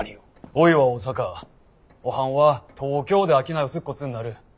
おいは大阪おはんは東京で商いをすっこつになる。